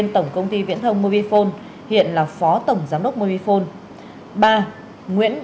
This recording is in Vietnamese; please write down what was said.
tổng công ty viễn thông mobile phone